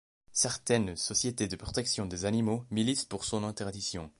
Certaines sociétés de protection des animaux militent pour son interdiction.